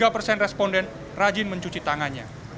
sembilan puluh tiga persen responden rajin mencuci tangannya